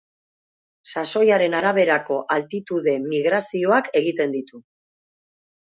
Sasoiaren araberako altitude-migrazioak egiten ditu.